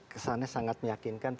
kesannya sangat meyakinkan